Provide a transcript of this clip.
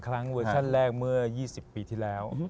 ครั้งเวอร์ชันแรกเมื่อ๒๐ปีที่แล้ว